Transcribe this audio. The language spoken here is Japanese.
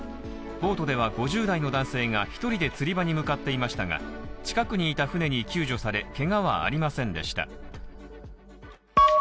ボートでは５０代の男性が１人で釣り場に向かっていましたが近くにいた船に救助され、けがはありませんでした。